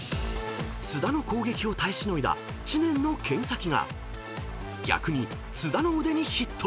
［津田の攻撃を耐えしのいだ知念の剣先が逆に津田の腕にヒット］